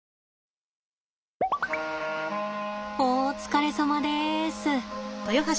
お疲れさまです。